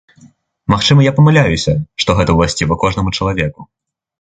Магчыма, я памыляюся, што гэта ўласціва кожнаму чалавеку.